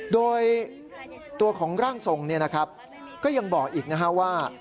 โดยตัวของร่างทรงก็ยังบอกอีกนะฮะว่า